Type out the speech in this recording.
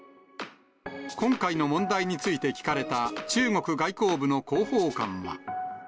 今回の問題について聞かれた中国外交部の広報官は。